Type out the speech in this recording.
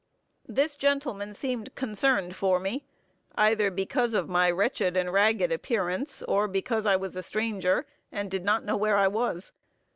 This gentleman seemed concerned for me, either because of my wretched and ragged appearance, or because I was a stranger, and did not know where I was.